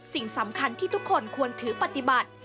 สิ่งสำคัญที่ทุกคนควรถือปฏิบัติ